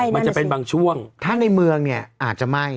มันจะเป็นบางช่วงถ้าในเมืองเนี่ยอาจจะไหม้